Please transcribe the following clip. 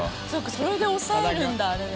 それで押さえるんだあれで。